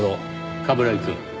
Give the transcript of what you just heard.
冠城くん。